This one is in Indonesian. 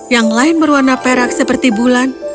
yang lain berwarna perak seperti bulan